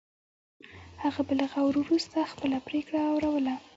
هغه به له غور وروسته خپله پرېکړه اوروله.